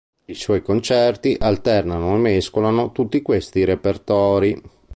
I suoi concerti alternano e mescolano tutti questi repertori.